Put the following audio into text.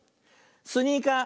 「スニーカー」。